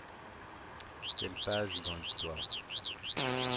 Quelle page dans l’histoire !…